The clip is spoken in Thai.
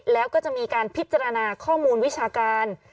แล้วก็จะมีการพิจารณาข้อมูลวิชาการ